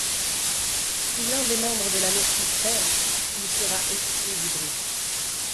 Si l'un des membres de la Nexus perd, il sera exclu du groupe.